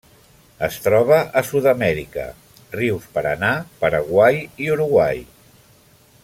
Es troba a Sud-amèrica: rius Paranà, Paraguai i Uruguai.